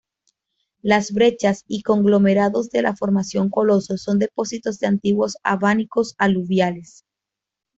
Las brechas y conglomerados de la Formación Coloso son depósitos de antiguos abanicos aluviales.